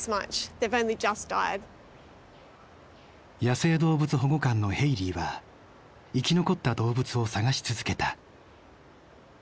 野生動物保護官のヘイリーは生き残った動物を探し続けた。